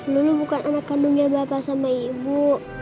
dulu bukan anak kandungnya bapak sama ibu